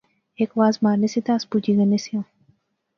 ہک واز مارنے سے تے اس پوچی غنے سیاں